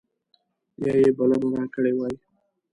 یا یې بلنه راکړې وای.